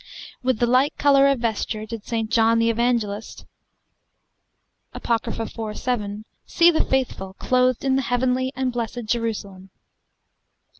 With the like colour of vesture did St. John the Evangelist, Apoc. 4.7, see the faithful clothed in the heavenly and blessed Jerusalem.